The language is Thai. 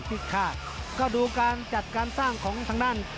แพทย์พิฆาตก็ดูการจัดการสร้างของทางด้าน